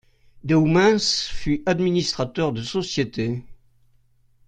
Deumens fut administrateur de sociétés.